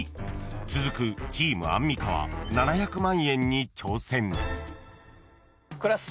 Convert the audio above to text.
［続くチームアンミカは７００万円に挑戦］